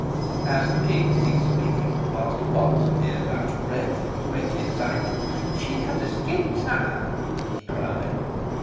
As the King ceased speaking, Master Potts appeared out of breath, and greatly excited. "She has escaped, sire!" he cried.